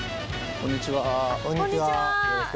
こんにちは。